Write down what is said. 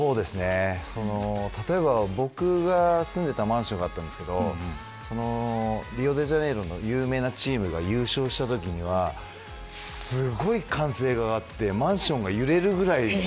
例えば、僕が住んでいたマンションがあったんですけどリオデジャネイロの有名なチームが優勝したときにはすごい歓声が上がってマンションが揺れるぐらい。